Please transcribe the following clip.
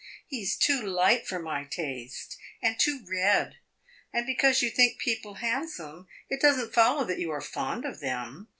He 's too light for my taste, and too red. And because you think people handsome, it does n't follow that you are fond of them.